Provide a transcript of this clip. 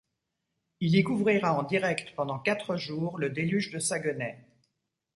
Il y couvrira en direct, pendant quatre jours, le déluge du Saguenay.